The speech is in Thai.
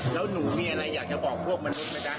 แล้วหนูมีอะไรอยากจะบอกพวกมนุษย์ไหมจ๊ะ